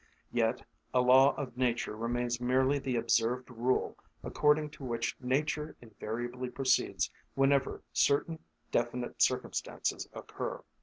Yet a law of nature remains merely the observed rule according to which nature invariably proceeds whenever certain definite circumstances occur.